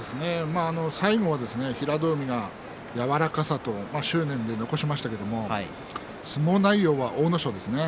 最後は平戸海が柔らかさと執念で残しましたけれども相撲内容は阿武咲ですね。